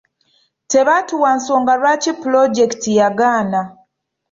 Tebaatuwa nsonga lwaki pulojekiti yagaana.